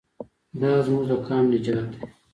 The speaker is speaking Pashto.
دا زموږ د قام نجات دی.